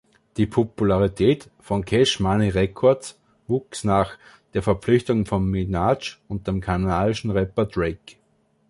Die Popularität von Cash Money Records wuchs nach der Verpflichtung von Minaj und dem kanadischen Rapper Drake.